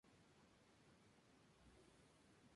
Al sur, en Peniche de Bajo, dominaba la "Ciudadela.